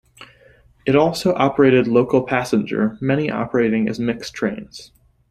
It also operated local passenger, many operating as mixed trains.